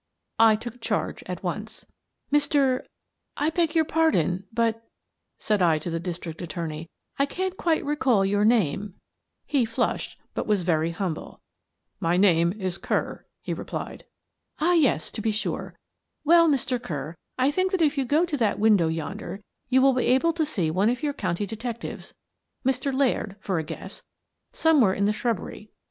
I took charge at once. "Mr. — I beg your pardon, but," said I to the district attorney, "I can't quite recall your name." *55 256 Miss Frances Baird, Detective He flushed, but was very humble. " My name is Kerr," he replied. "Ah, yes — to be sure. Well, Mr. Kerr, I think that if you go to that window yonder you will be able to see one of your county detectives — Mr. Laird, for a guess — somewhere in the shrub bery.